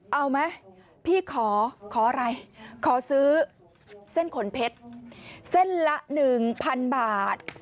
เอาไหมพี่ขอขออะไรขอซื้อเส้นขนเพชรเส้นละ๑๐๐๐บาท